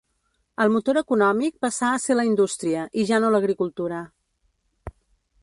El motor econòmic passà a ser la indústria, i ja no l'agricultura.